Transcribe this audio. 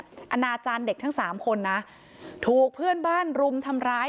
อนาจารย์เด็กทั้งสามคนนะถูกเพื่อนบ้านรุมทำร้าย